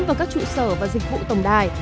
vào các trụ sở và dịch vụ tổng đài